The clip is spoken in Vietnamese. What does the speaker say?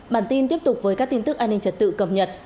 bản tin tiếp tục với các tin tức an ninh trật tự cập nhật